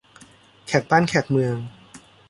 แขกบ้านแขกเมือง